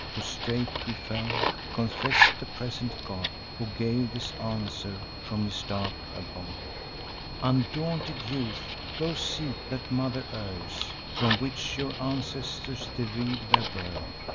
Prostrate we fell; confess'd the present god, Who gave this answer from his dark abode: 'Undaunted youths, go, seek that mother earth From which your ancestors derive their birth.